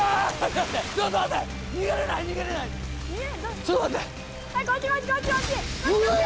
ちょっと待って！